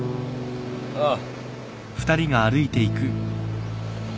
ああ。